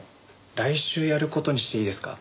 来週やる事にしていいですか？